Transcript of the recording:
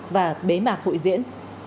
và bế mạc hội diễn